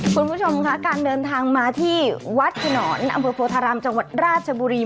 คุณผู้ชมค่ะการเดินทางมาที่วัดขนอนอำเภอโพธารามจังหวัดราชบุรี